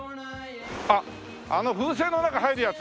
あっあの風船の中入るやつ。